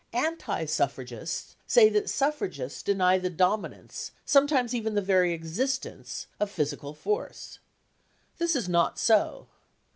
Anti suffragists say that suffragists deny the dominance, sometimes even the very existence of physical force. This is not so.